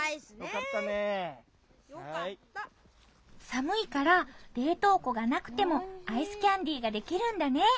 寒いから冷凍庫がなくてもアイスキャンデーができるんだね。